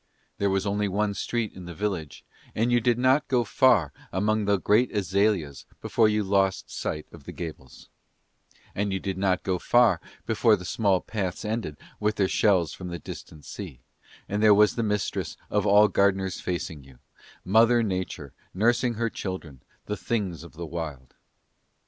There was only one street in the village, and you did not go far among the great azaleas before you lost sight of the gables; and you did not go far before the small paths ended with their shells from the distant sea, and there was the mistress of all gardeners facing you, Mother Nature nursing her children, the things of the wild.